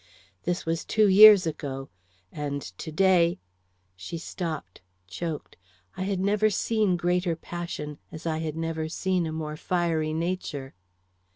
This was two years ago, and today " She stopped, choked. I had never seen greater passion, as I had never seen a more fiery nature.